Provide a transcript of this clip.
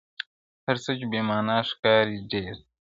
هر څه بې معنا ښکاري ډېر.